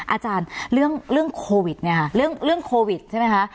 อาจารย์เรื่องโควิดเรื่องโควิดใช่ไหมคะ